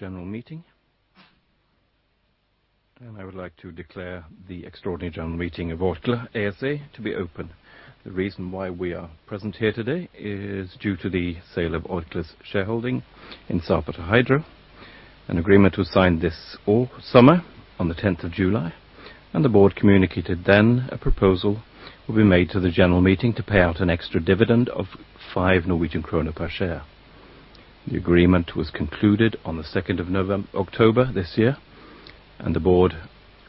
General meeting. I would like to declare the extraordinary general meeting of Orkla ASA to be open. The reason why we are present here today is due to the sale of Orkla's shareholding in Norsk Hydro. An agreement was signed this summer on the 10th of July, and the board communicated then a proposal will be made to the general meeting to pay out an extra dividend of 5 Norwegian kroner per share. The agreement was concluded on the 2nd of October this year, and the board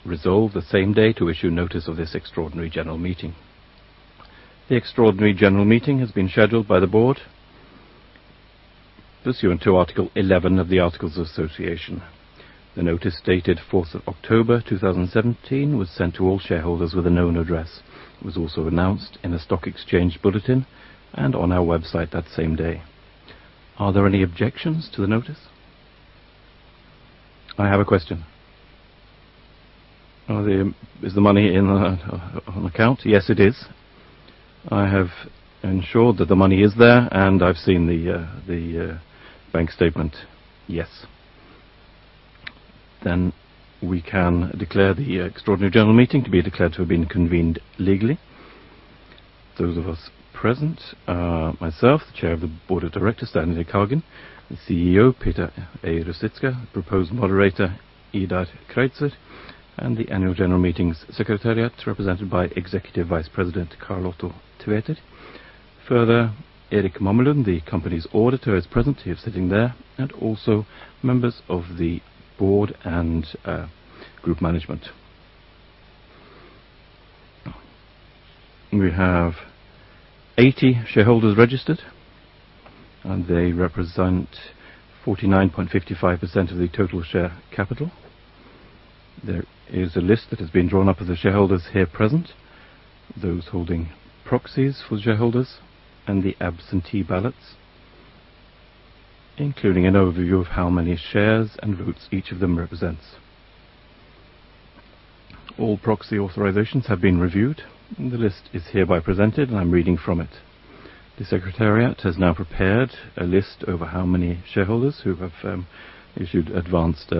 resolved the same day to issue notice of this extraordinary general meeting. The extraordinary general meeting has been scheduled by the board, pursuant to Article 11 of the Articles of Association. The notice, dated 4th of October, 2017, was sent to all shareholders with a known address. It was also announced in a stock exchange bulletin and on our website that same day. Are there any objections to the notice? I have a question. Is the money in on account? Yes, it is. I have ensured that the money is there, and I've seen the bank statement. Yes. Then we can declare the extraordinary general meeting to be declared to have been convened legally. Those of us present, myself, the Chair of the Board of Directors, Stein Erik Hagen, the CEO, Peter A. Ruzicka, Proposed Moderator, Idar Kreutzer, and the annual general meetings secretariat, represented by Executive Vice President, Karl Otto Tveter. Further, Erik Mamelund, the company's auditor, is present. He is sitting there, and also members of the board and group management. We have 80 shareholders registered, and they represent 49.55% of the total share capital. There is a list that has been drawn up of the shareholders here present, those holding proxies for shareholders and the absentee ballots, including an overview of how many shares and votes each of them represents. All proxy authorizations have been reviewed. The list is hereby presented, and I'm reading from it. The secretariat has now prepared a list over how many shareholders who have issued advanced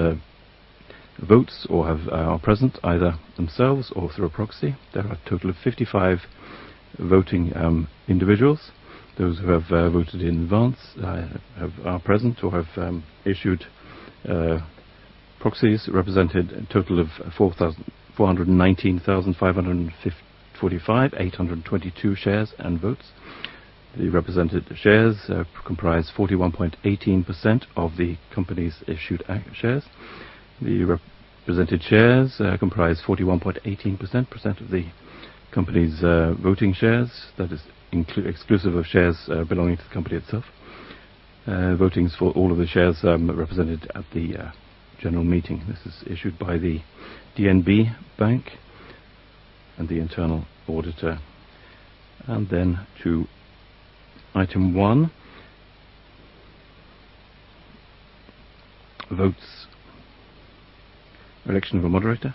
votes or are present, either themselves or through a proxy. There are a total of 55 voting individuals. Those who have voted in advance are present or have issued proxies represented a total of 419,545, 822 shares and votes. The represented shares comprise 41.18% of the company's issued shares. The represented shares comprise 41.18% of the company's voting shares. That is exclusive of shares belonging to the company itself. Voting is for all of the shares represented at the general meeting. This is issued by the DNB Bank and the internal auditor. Then to item one. Election of a moderator.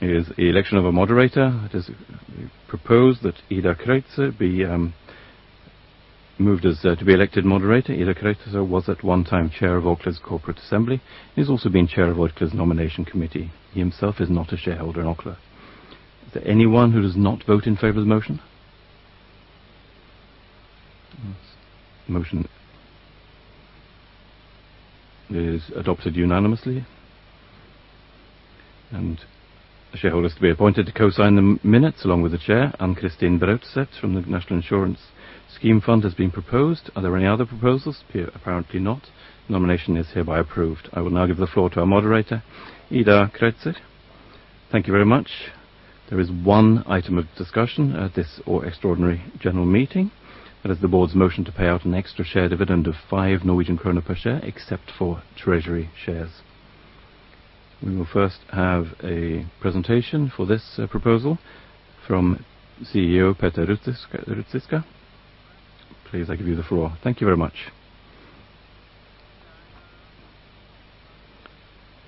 It is proposed that Idar Kreutzer be moved as to be elected moderator. Idar Kreutzer was at one time Chair of Orkla's Corporate Assembly, and he's also been Chair of Orkla's Nomination Committee. He himself is not a shareholder in Orkla. Is there anyone who does not vote in favor of the motion? Motion is adopted unanimously, and the shareholders to be appointed to co-sign the minutes, along with the chair, Ann-Kristin Brautaset, from the National Insurance Scheme Fund, has been proposed. Are there any other proposals? Apparently not. Nomination is hereby approved. I will now give the floor to our moderator, Idar Kreutzer. Thank you very much. There is one item of discussion at this extraordinary general meeting, and as the board's motion to pay out an extra share dividend of 5 Norwegian krone per share, except for treasury shares. We will first have a presentation for this proposal from CEO Peter Ruzicka. Please, I give you the floor. Thank you very much.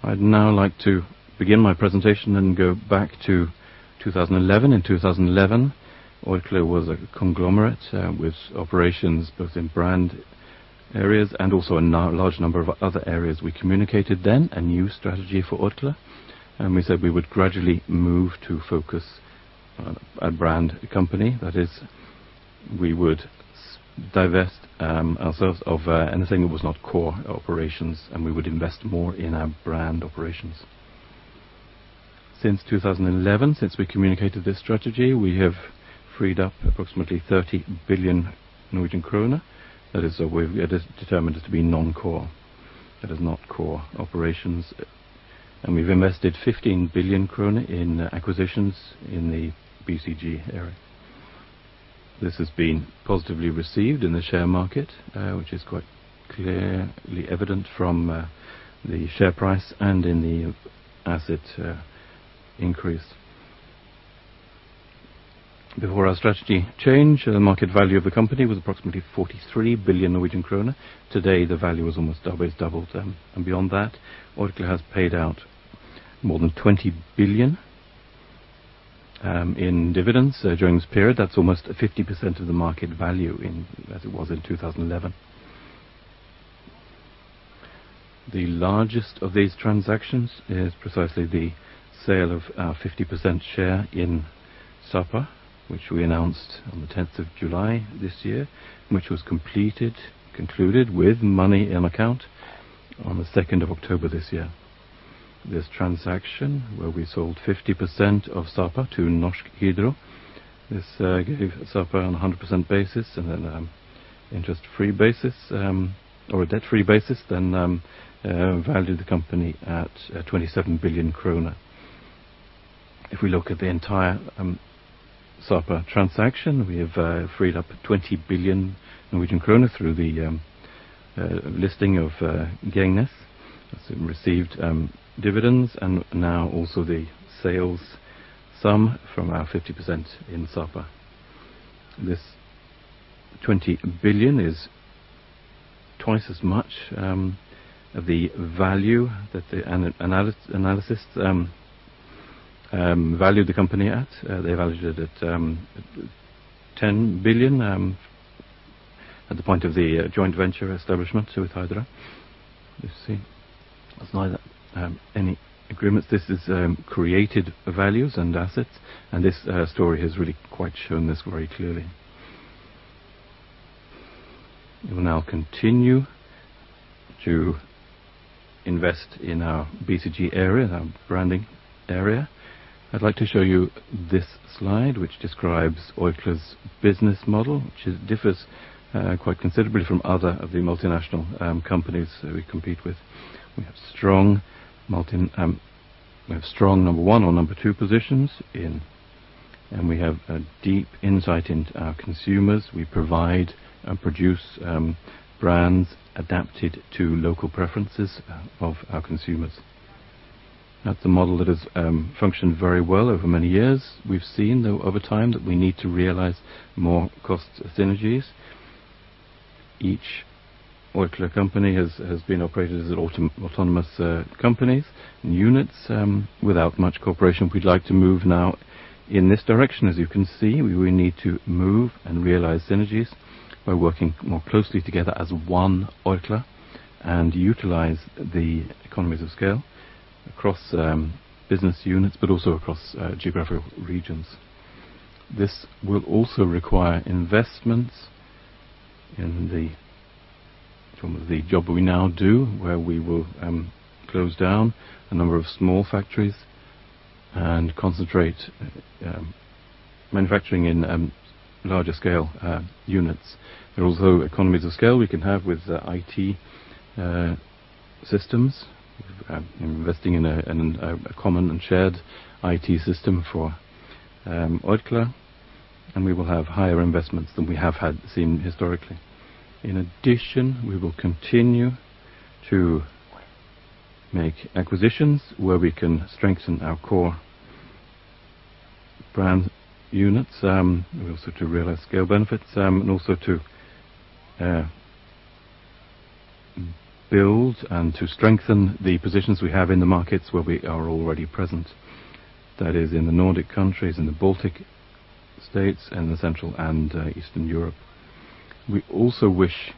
I'd now like to begin my presentation and go back to 2011. In 2011, Orkla was a conglomerate with operations both in brand areas and also a large number of other areas. We communicated then a new strategy for Orkla, and we said we would gradually move to focus on a brand company. That is, we would divest ourselves of anything that was not core operations, and we would invest more in our brand operations. Since 2011, since we communicated this strategy, we have freed up approximately 30 billion Norwegian krone. That is, it is determined to be non-core. That is not core operations, and we've invested 15 billion krone in acquisitions in the BCG area. This has been positively received in the share market, which is quite clearly evident from the share price and in the asset increase. Before our strategy change, the market value of the company was approximately 43 billion Norwegian kroner. Today, the value is almost double, it's doubled, and beyond that, Orkla has paid out more than 20 billion in dividends during this period, that's almost 50% of the market value in, as it was in 2011. The largest of these transactions is precisely the sale of our 50% share in Sapa, which we announced on the 10th of July this year, which was completed, concluded with money in account on the 2nd of October this year. This transaction, where we sold 50% of Sapa to Norsk Hydro, this gave Sapa on a 100% basis, and then interest-free basis or a debt-free basis, then valued the company at 27 billion kroner. If we look at the entire Sapa transaction, we have freed up 20 billion Norwegian kroner through the listing of Gränges, as we received dividends, and now also the sales sum from our 50% in Sapa. This 20 billion is twice as much of the value that the analysis valued the company at. They valued it at 10 billion at the point of the joint venture establishment with Hydro. You see, there's neither any agreements. This is created values and assets, and this story has really quite shown this very clearly. We will now continue to invest in our BCG area, our branding area. I'd like to show you this slide, which describes Orkla's business model, which differs quite considerably from other of the multinational companies that we compete with. We have strong number one or number two positions in, and we have a deep insight into our consumers. We provide and produce brands adapted to local preferences of our consumers. That's a model that has functioned very well over many years. We've seen, though, over time, that we need to realize more cost synergies. Each Orkla company has been operated as autonomous companies and units without much cooperation. We'd like to move now in this direction. As you can see, we will need to move and realize synergies by working more closely together as one Orkla, and utilize the economies of scale across, business units, but also across, geographical regions. This will also require investments in the, from the job we now do, where we will, close down a number of small factories and concentrate, manufacturing in, larger scale, units. There are also economies of scale we can have with the IT, systems. Investing in a, in a common and shared IT system for, Orkla, and we will have higher investments than we have had seen historically. In addition, we will continue to make acquisitions where we can strengthen our core brand units, also to realize scale benefits, and also to build and to strengthen the positions we have in the markets where we are already present. That is in the Nordic countries, in the Baltic States, and the Central and Eastern Europe. We also wish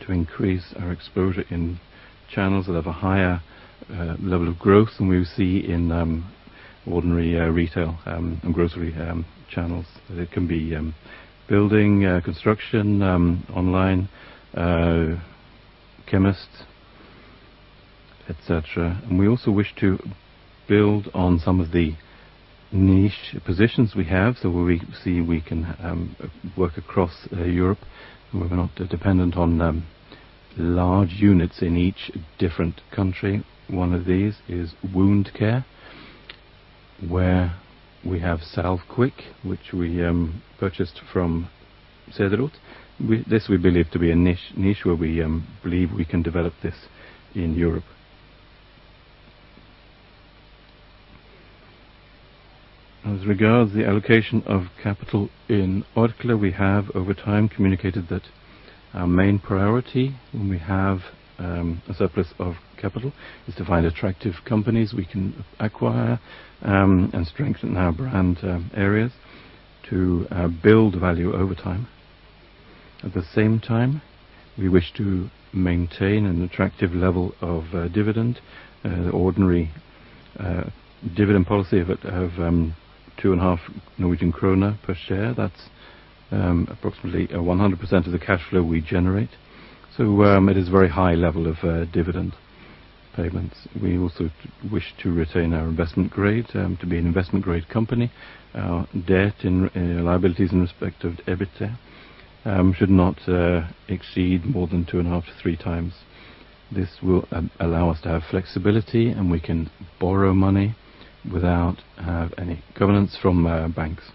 to increase our exposure in channels that have a higher level of growth than we see in ordinary retail and grocery channels. That can be building, construction, online, chemists, et cetera. We also wish to build on some of the niche positions we have. Where we see we can work across Europe, we're not dependent on large units in each different country. One of these is wound care, where we have Salvequick, which we purchased from Cederroth. This we believe to be a niche where we believe we can develop this in Europe. As regards the allocation of capital in Orkla, we have over time communicated that our main priority when we have a surplus of capital is to find attractive companies we can acquire and strengthen our brand areas to build value over time. At the same time, we wish to maintain an attractive level of dividend. The ordinary dividend policy is to have NOK 2.5 per share. That's approximately 100% of the cash flow we generate, so it is a very high level of dividend payments. We also wish to retain our investment grade, to be an investment grade company. Our debt and liabilities in respect of EBITDA should not exceed more than two and a half to three times. This will allow us to have flexibility, and we can borrow money without any governance from banks,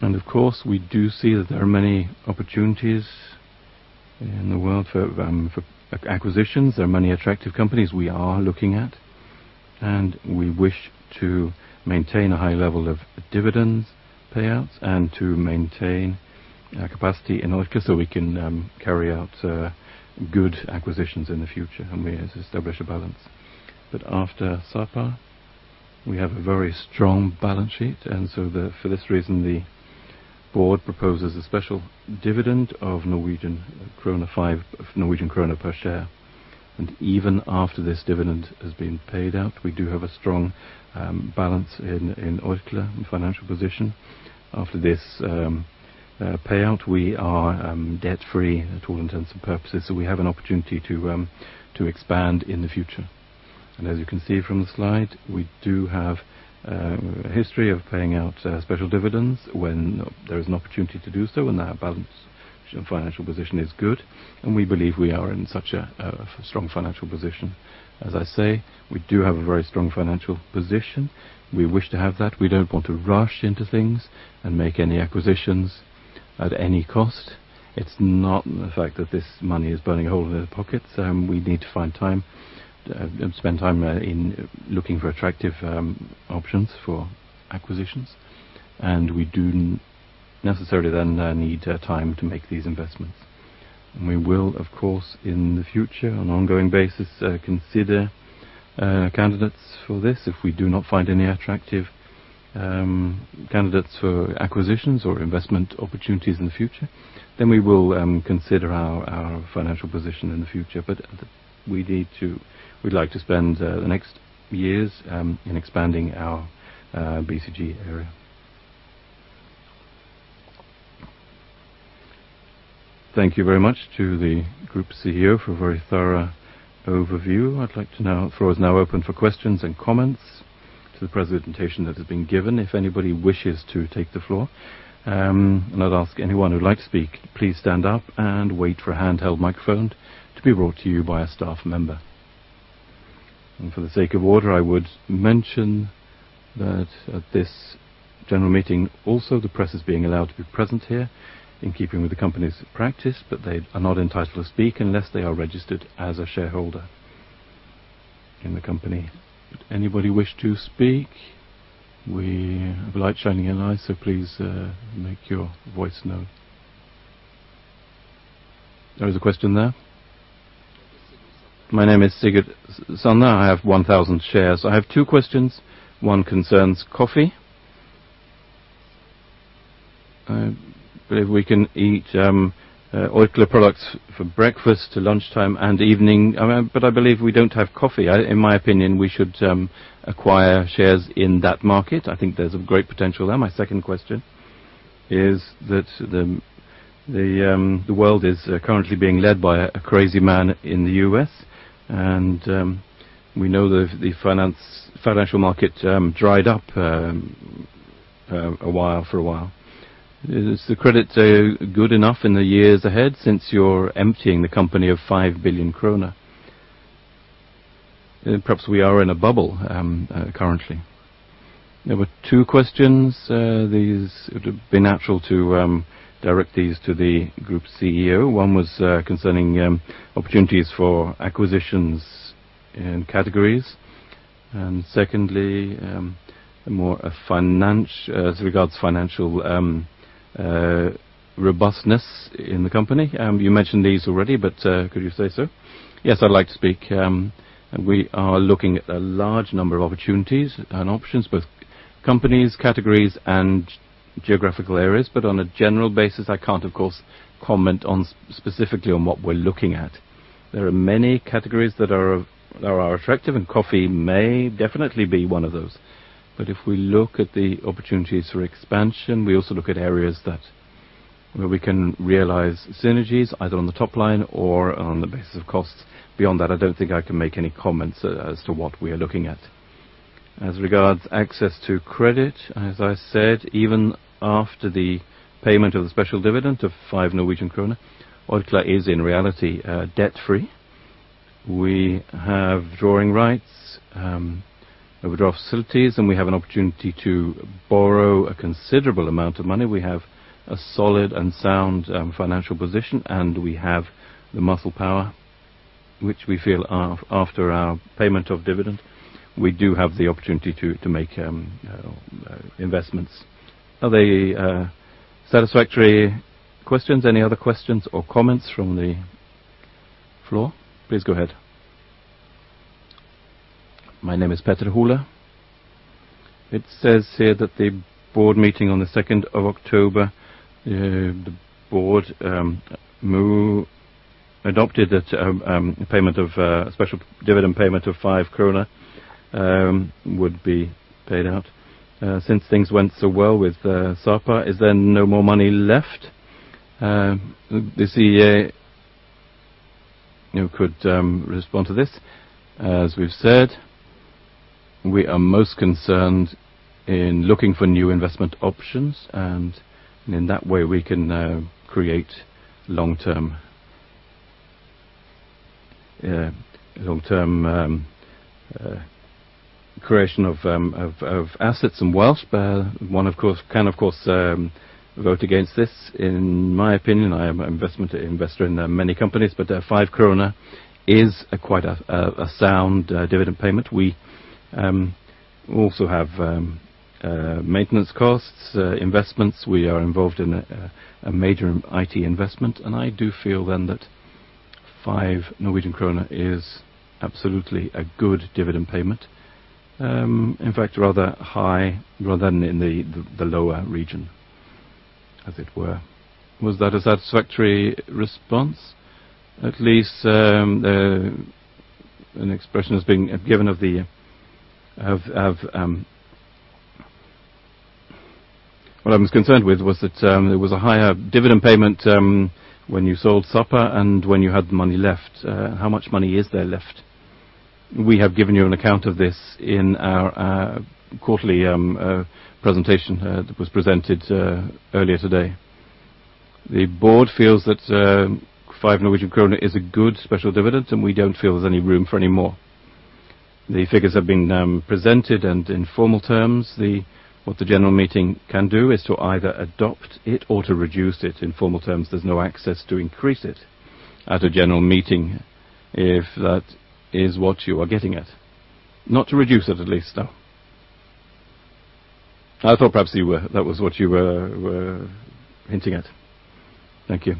and of course, we do see that there are many opportunities in the world for acquisitions. There are many attractive companies we are looking at, and we wish to maintain a high level of dividends, payouts, and to maintain capacity in Orkla, so we can carry out good acquisitions in the future, and we establish a balance, but after Sapa, we have a very strong balance sheet, and so, for this reason, the board proposes a special dividend of 5 Norwegian krone per share. And even after this dividend has been paid out, we do have a strong balance in Orkla financial position. After this payout, we are debt-free in all intents and purposes, so we have an opportunity to expand in the future. And as you can see from the slide, we do have a history of paying out special dividends when there is an opportunity to do so, and our balance and financial position is good, and we believe we are in such a strong financial position. As I say, we do have a very strong financial position. We wish to have that. We don't want to rush into things and make any acquisitions at any cost. It's not the fact that this money is burning a hole in our pockets. We need to find time and spend time in looking for attractive options for acquisitions, and we do necessarily then need time to make these investments. And we will, of course, in the future, on an ongoing basis, consider candidates for this. If we do not find any attractive candidates for acquisitions or investment opportunities in the future, then we will consider our financial position in the future. But we need to... We'd like to spend the next years in expanding our BCG area. Thank you very much to the Group CEO for a very thorough overview. I'd like to now. Floor is now open for questions and comments to the presentation that has been given. If anybody wishes to take the floor, and I'd ask anyone who'd like to speak, please stand up and wait for a handheld microphone to be brought to you by a staff member, and for the sake of order, I would mention that at this general meeting, also, the press is being allowed to be present here in keeping with the company's practice, but they are not entitled to speak unless they are registered as a shareholder in the company. Would anybody wish to speak? We have a light shining in your eyes, so please, make your voice known. There is a question there. My name is Sigurd Sander. I have one thousand shares. I have two questions. One concerns coffee. But if we can eat Orkla products for breakfast to lunchtime and evening, but I believe we don't have coffee. In my opinion, we should acquire shares in that market. I think there's a great potential there. My second question is that the world is currently being led by a crazy man in the U.S., and we know the financial market dried up for a while. Is the credit good enough in the years ahead, since you're emptying the company of 5 billion krone? Perhaps we are in a bubble currently. There were two questions. These, it would be natural to direct these to the group CEO. One was concerning opportunities for acquisitions in categories. And secondly, more as regards financial robustness in the company. You mentioned these already, but could you say so? Yes, I'd like to speak. We are looking at a large number of opportunities and options, both companies, categories, and geographical areas. But on a general basis, I can't, of course, comment on, specifically on what we're looking at. There are many categories that are attractive, and coffee may definitely be one of those. But if we look at the opportunities for expansion, we also look at areas where we can realize synergies, either on the top line or on the basis of costs. Beyond that, I don't think I can make any comments as to what we are looking at. As regards access to credit, as I said, even after the payment of the special dividend of 5 Norwegian krone, Orkla is, in reality, debt-free. We have drawing rights, overdraw facilities, and we have an opportunity to borrow a considerable amount of money. We have a solid and sound financial position, and we have the muscle power, which we feel after our payment of dividend, we do have the opportunity to make investments. Are they satisfactory questions? Any other questions or comments from the floor? Please go ahead. My name is Petri Hola. It says here that the board meeting on the 2nd of October, the board adopted that payment of a special dividend of 5 krone would be paid out. Since things went so well with Sapa, is there no more money left? The CEO, you could respond to this. As we've said, we are most concerned in looking for new investment options, and in that way, we can create long-term creation of assets and wealth. One, of course, can, of course, vote against this. In my opinion, I am an investment- investor in, many companies, but, five kroner is a quite, a sound, dividend payment. We also have maintenance costs, investments. We are involved in a, a major IT investment, and I do feel then that five Norwegian kroner is absolutely a good dividend payment. In fact, rather high, rather than in the, the lower region, as it were. Was that a satisfactory response? At least, the, an expression has been given of the, of, of... What I was concerned with was that, there was a higher dividend payment, when you sold Sapa, and when you had the money left. How much money is there left? We have given you an account of this in our quarterly presentation that was presented earlier today. The board feels that 5 Norwegian kroner is a good special dividend, and we don't feel there's any room for any more. The figures have been presented, and in formal terms, what the general meeting can do is to either adopt it or to reduce it. In formal terms, there's no access to increase it. At a general meeting, if that is what you are getting at. Not to reduce it, at least, though. I thought perhaps you were that was what you were hinting at. Thank you.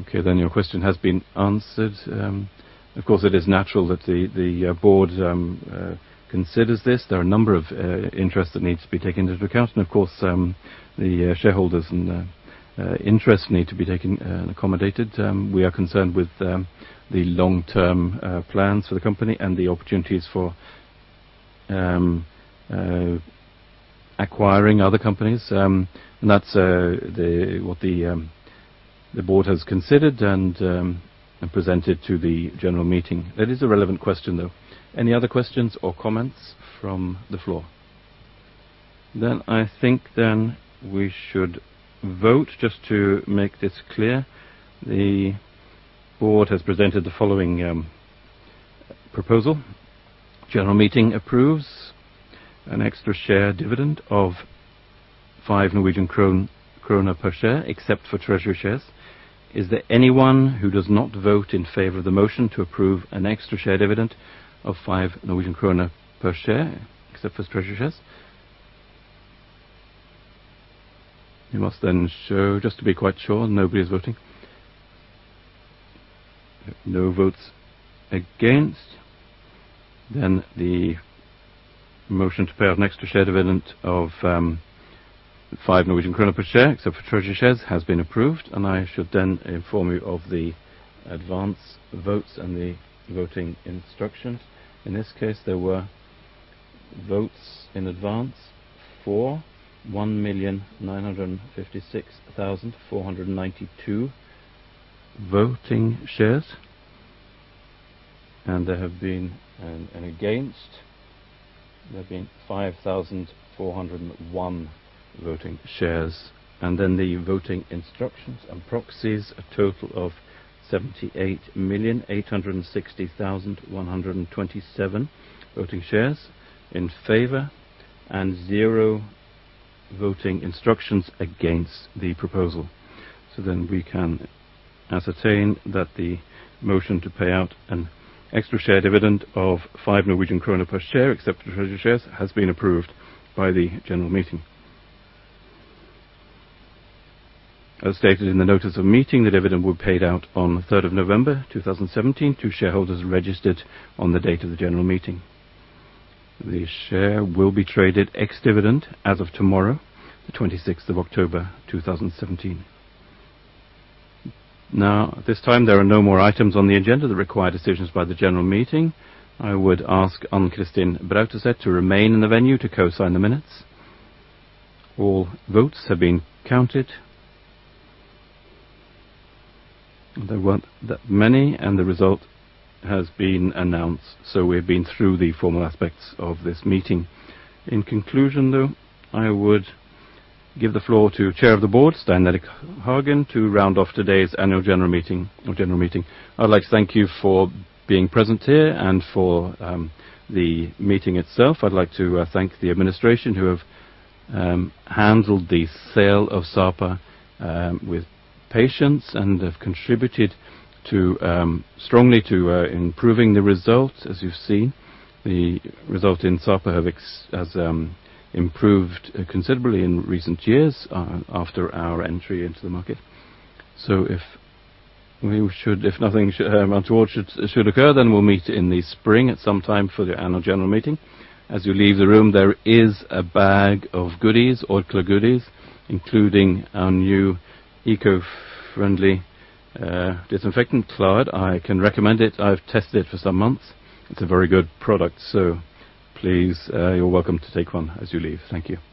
Okay, then your question has been answered. Of course, it is natural that the board considers this. There are a number of interests that need to be taken into account, and of course, the shareholders and interests need to be taken and accommodated. We are concerned with the long-term plans for the company and the opportunities for acquiring other companies. That's what the board has considered and presented to the general meeting. That is a relevant question, though. Any other questions or comments from the floor? Then I think we should vote. Just to make this clear, the board has presented the following proposal: general meeting approves an extra share dividend of 5 Norwegian krone per share, except for treasury shares. Is there anyone who does not vote in favor of the motion to approve an extra share dividend of 5 Norwegian krone per share, except for treasury shares? We must then show, just to be quite sure, nobody is voting. No votes against. Then the motion to pay out an extra share dividend of 5 per share, except for treasury shares, has been approved, and I should then inform you of the advance votes and the voting instructions. In this case, there were votes in advance for 1,956,492 voting shares, and there have been an against. There have been 5,401 voting shares, and then the voting instructions and proxies, a total of 78,860,127 voting shares in favor, and zero voting instructions against the proposal. So then we can ascertain that the motion to pay out an extra share dividend of 5 Norwegian krone per share, except for treasury shares, has been approved by the general meeting. As stated in the notice of meeting, the dividend will be paid out on the 3rd of November, 2017 to shareholders registered on the date of the general meeting. The share will be traded ex-dividend as of tomorrow, the 26th of October, 2017. Now, at this time, there are no more items on the agenda that require decisions by the general meeting. I would ask Ann-Kristin Brautaset to remain in the venue to co-sign the minutes. All votes have been counted. There weren't that many, and the result has been announced, so we've been through the formal aspects of this meeting. In conclusion, though, I would give the floor to Chair of the Board, Stein Erik Hagen, to round off today's annual general meeting or general meeting. I'd like to thank you for being present here and for the meeting itself. I'd like to thank the administration, who have handled the sale of Sapa with patience and have contributed strongly to improving the results. As you've seen, the result in Sapa has improved considerably in recent years after our entry into the market. So if we should, if nothing untoward should occur, then we'll meet in the spring at some time for the annual general meeting. As you leave the room, there is a bag of goodies, Orkla goodies, including our new eco-friendly disinfectant cloth. I can recommend it. I've tested it for some months. It's a very good product, so please, you're welcome to take one as you leave. Thank you.